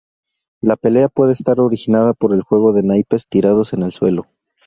La pelea puede estar originada por el juego de naipes tirados en el suelo.